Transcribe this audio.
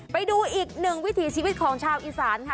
ไปดูอีกหนึ่งวิถีชีวิตของชาวอีสานค่ะ